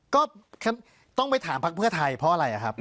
ก็ต้องไปถามพักเพื่อไทยเพราะอะไรครับ